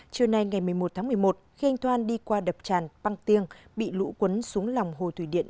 trưa nay ngày một mươi một tháng một mươi một khi anh thoan đi qua đập tràn băng tiêng bị lũ quấn xuống lòng hồ thủy điện